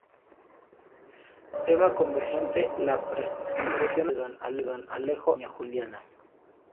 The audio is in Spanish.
Tema convergente: la pretensión amorosa de don Alejo hacia doña Juliana.